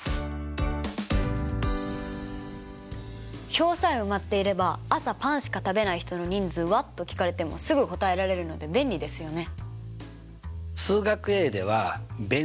表さえ埋まっていれば「朝パンしか食べない人の人数は？」と聞かれてもすぐ答えられるので便利ですよね。